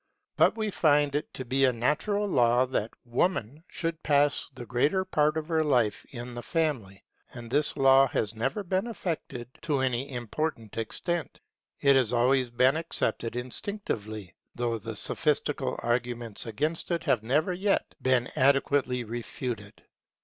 But we find it to be a natural law that Woman should pass the greater part of her life in the family; and this law has never been affected to any important extent. It has always been accepted instinctively, though the sophistical arguments against it have never yet been adequately refuted.